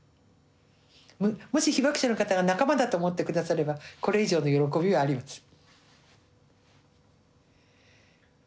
もし被爆者の方が仲間だと思ってくださればこれ以上の喜びはありません。